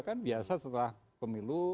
kan biasa setelah pemilu